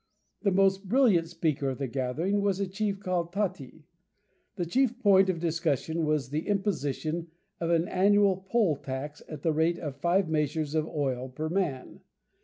The most brilliant speaker of the gathering was a chief called Tati. The chief point of discussion was the imposition of an annual poll tax at the rate of five measures of oil per man.